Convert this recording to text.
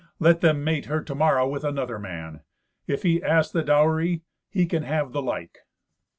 "Let them mate her to morrow with another man; if he ask the dowry, he can have the like."